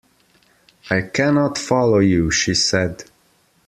I cannot follow you, she said.